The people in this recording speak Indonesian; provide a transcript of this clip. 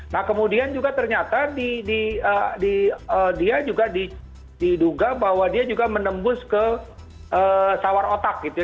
nah kemudian juga ternyata dia juga diduga bahwa dia juga menembus ke sawar otak gitu ya